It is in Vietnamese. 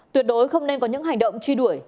tuyệt đối không nên có những hành động truy đuổi